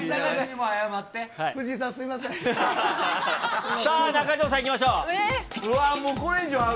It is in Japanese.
もうこれ以上ある？